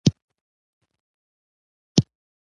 د ښارپر میینانو میینه ویشم